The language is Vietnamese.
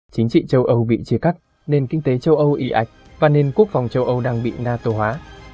chính trị châu âu bị chia cắt nên kinh tế châu âu y ạch và nên quốc phòng châu âu đang bị nato hóa